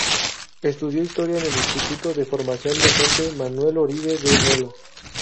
Estudió Historia en el Instituto de Formación Docente Manuel Oribe de Melo.